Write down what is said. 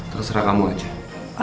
terserah kamu aja